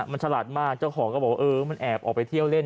มันฉลาดมากเจ้าของก็บอกว่าเออมันแอบออกไปเที่ยวเล่น